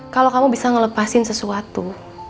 kalau kamu bisa ngelepasin sesuatu